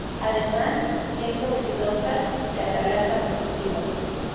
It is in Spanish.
Además es oxidasa y catalasa positiva.